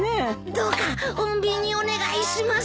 どうか穏便にお願いします。